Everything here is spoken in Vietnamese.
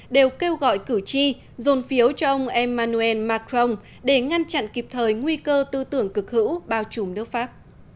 đều kêu gọi cử tri dồn phiếu cho ông emmanuel macron để ngăn chặn kịp thời nguy cơ tư tưởng cực hữu bao trùm nước pháp